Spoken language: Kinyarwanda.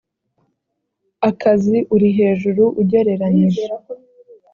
akazi uri hejuru ugereranyije